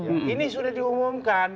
ini sudah diumumkan